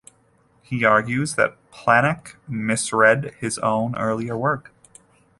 He argues that Planck misread his own earlier work.